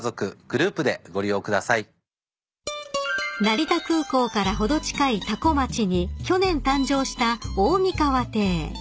［成田空港から程近い多古町に去年誕生した大三川邸］